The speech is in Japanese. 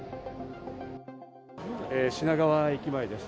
品川駅前です。